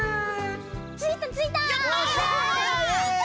ついたついた！